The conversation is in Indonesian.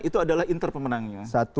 itu adalah inter pemenangnya